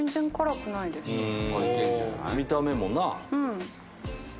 見た目もな。